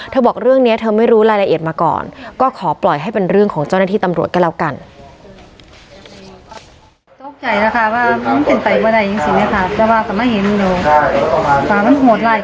บอกเรื่องนี้เธอไม่รู้รายละเอียดมาก่อนก็ขอปล่อยให้เป็นเรื่องของเจ้าหน้าที่ตำรวจก็แล้วกัน